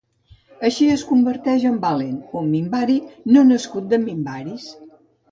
Així es converteix en Valen, un Minbari no nascut de Minbaris.